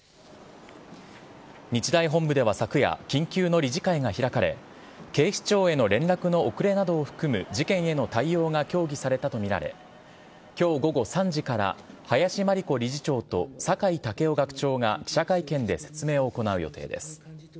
日大本部では昨夜、緊急の理事会が開かれ、警視庁への連絡の遅れなどを含む事件への対応が協議されたと見られ、きょう午後３時から林真理子理事長と酒井たけお学長が記者会見で説明を行う予定です。